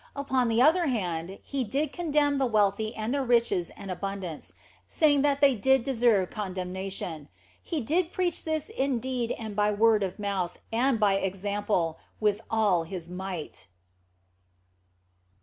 Upon the other hand He did condemn the wealthy and their riches and abundance, saying that they did deserve condemnation. He did preach this in deed and by word of mouth and by example, with all His might.